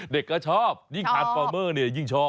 เด็กก็ชอบยิ่งทานฟอร์เมอร์เนี่ยยิ่งชอบ